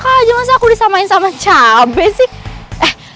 kau aja masa aku disamakan sama cabai sih